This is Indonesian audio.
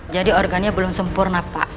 jadi organnya belum sempurna pak